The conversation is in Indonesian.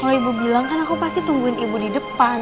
kalau ibu bilang kan aku pasti tungguin ibu di depan